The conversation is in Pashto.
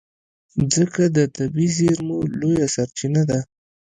مځکه د طبعي زېرمو لویه سرچینه ده.